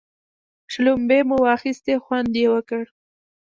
شلومبې مو واخيستې خوند یې وکړ.